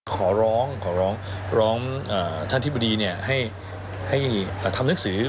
ขอร้องขอร้องร้องท่านอธิบดีให้ทำหนังสือ